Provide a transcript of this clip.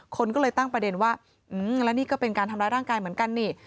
คนก็เลยตั้งประเด็นว่าแล้วนี่ก็เป็นการทำร้ายร่างกายเหมือนกันนี่